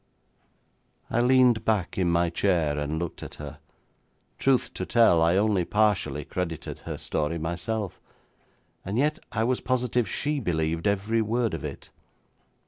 I leaned back in my chair and looked at her. Truth to tell, I only partially credited her story myself, and yet I was positive she believed every word of it.